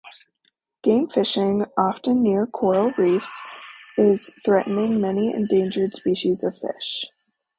Game fishing, often near coral reefs, is threatening many endangered species of fish.